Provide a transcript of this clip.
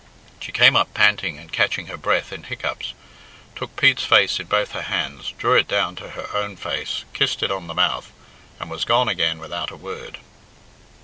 She came up panting and catching her breath in hiccoughs, took Pete's face in both her hands, drew it down to her own face, kissed it on the mouth, and was gone again without a word.